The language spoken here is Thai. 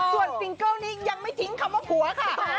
ส่วนซิงเกิลนี้ยังไม่ทิ้งคำว่าผัวค่ะ